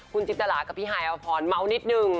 คุณจินตระกับพี่หายเอาผ่อนเมาส์นิดนึง